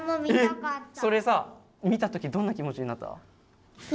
えっそれさ見た時どんな気持ちになった？